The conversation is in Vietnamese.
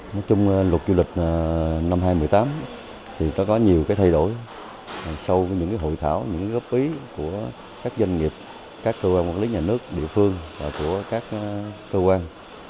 nói chung luật du lịch năm hai nghìn một mươi tám có nhiều thay đổi sau những hội thảo góp ý của các doanh nghiệp các cơ quan quản lý nhà nước địa phương và các cơ quan